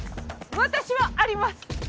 私はあります！